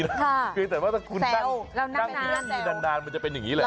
อย่างนี้แต่ผมไม่ได้บอกว่าฮาเล่ไม่ดีแต่ว่าถ้าคุณนั่งนี้นานมันจะเป็นอย่างนี้แหละ